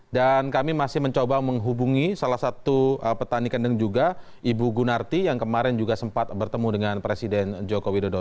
dan kami masih mencoba menghubungi salah satu petani kendeng juga ibu gunarti yang kemarin juga sempat bertemu dengan presiden joko widodo